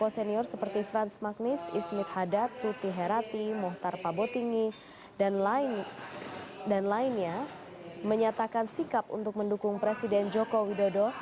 tokoh senior seperti franz magnis ismit haddad tuti herati mohd pabotingi dan lainnya menyatakan sikap untuk mendukung presiden jokowi dodo